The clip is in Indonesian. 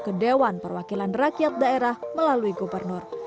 ke dewan perwakilan rakyat daerah melalui gubernur